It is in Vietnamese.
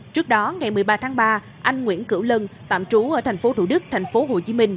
trước đó ngày một mươi ba tháng ba anh nguyễn cửu lân tạm trú ở tp thủ đức tp hcm